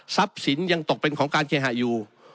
สินยังตกเป็นของการเคหะอยู่